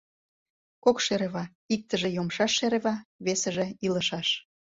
Кок шерева: иктыже — йомшаш шерева, весыже — илышаш...